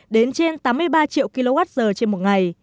đến trên tám mươi ba triệu kwh trên một ngày